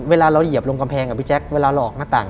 เวลาเราเหยียบลงกำแพงพี่แจ๊คเวลาหลอกหน้าต่าง